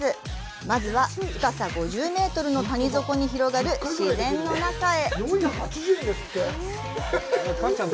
まずは、深さ５０メートルの谷底に広がる自然の中へ。